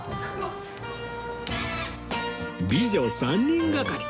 美女３人がかり。